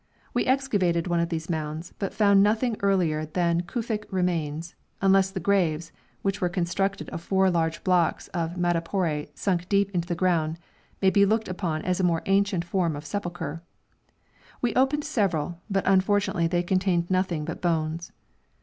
We excavated one of these mounds, but found nothing earlier than Kufic remains, unless the graves, which were constructed of four large blocks of madrepore sunk deep into the ground, may be looked upon as a more ancient form of sepulture. We opened several, but unfortunately they contained nothing but bones.